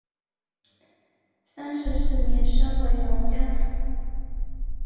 三十四年升为龙江府。